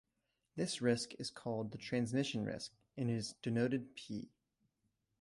This risk is called the transmission risk and is denoted "p".